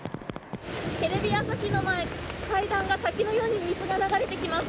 テレビ朝日の前、階段に滝のように水が流れてきます。